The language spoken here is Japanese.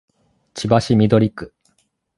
千葉市緑区